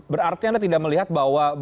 berarti anda tidak melihat bahwa